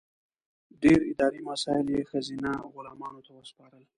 ډېر اداري مسایل یې ښځینه غلامانو ته وسپارل.